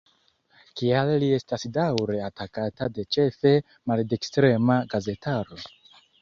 Kial li estas daŭre atakata de ĉefe maldekstrema gazetaro?